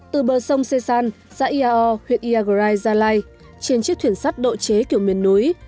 từ bờ sông xê săn dãi iao huyện iagrai gia lai trên chiếc thuyền sắt độ chế kiểu miền núi